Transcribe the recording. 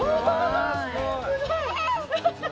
すごい。